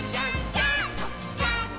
ジャンプ！！」